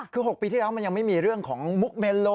คือ๖ปีที่แล้วมันยังไม่มีเรื่องของมุกเมโล